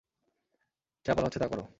যা বলা হচ্ছে, তা করো।